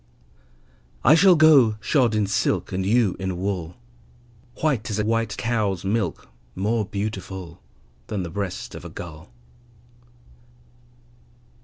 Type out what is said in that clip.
I shall go shod in silk, And you in wool, White as a white cow's milk, More beautiful Than the breast of a gull.